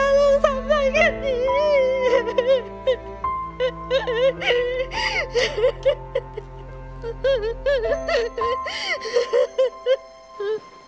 ลูกแม่จ๋าลูกทำได้แค่นี้